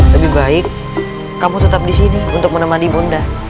lebih baik kamu tetap di sini untuk menemani bunda